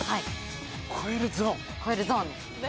超えるゾーンです。